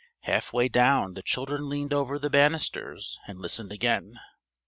Half way down the children leaned over the banisters and listened again.